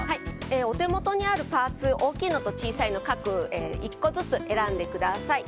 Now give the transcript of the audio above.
お手元にあるパーツ大きいのと小さいのを各１個ずつ選んでください。